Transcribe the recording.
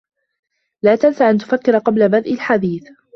لا تنس أن تفكّر قبل بدأ الحديث.